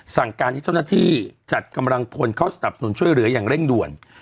สั่งการให้เจ้าหน้าที่จัดกำลังพลเข้าสนับสนุนช่วยเหลืออย่างเร่งด่วน